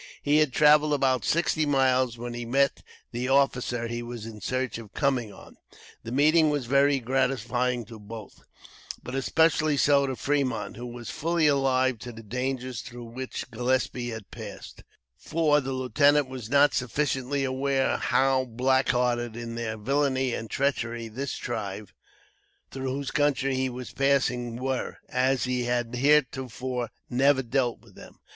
He had traveled about sixty miles when he met the officer he was in search of coming on. The meeting was very gratifying to both, but especially so to Fremont, who was fully alive to the dangers through which Gillespie had passed; for, the lieutenant was not sufficiently aware how black hearted in their villainy and treachery this tribe, through whose country he was passing, were, as he had heretofore never dealt with them.